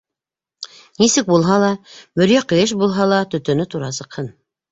Нисек булһа ла, мөрйә ҡыйыш булһа ла, төтөнө тура сыҡһын.